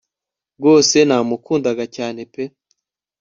Rwose namukundaga cyane pe